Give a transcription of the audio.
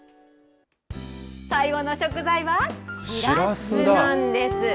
最後の食材は、しらすなんです。